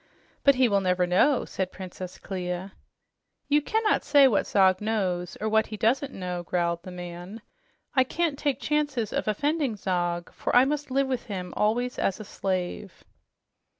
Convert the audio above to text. "But he will never know," said Princess Clia. "You cannot say what Zog knows or what he doesn't know," growled the man. "I can't take chances of offending Zog, for I must live with him always as a slave."